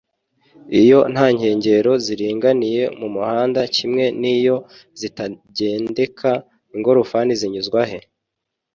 iyo ntankengero ziringaniye mumuhanda kimwe niyo zitagendeka ingorofani zinyuzwahe